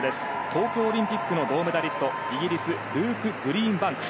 東京オリンピックの銅メダリストイギリスルーク・グリーンバンク。